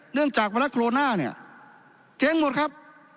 เนื่องจากเวลาโคโรน่าเนี้ยเท้งหมดครับ